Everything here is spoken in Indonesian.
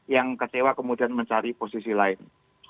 yang kecewa kemudian mencari posisi lain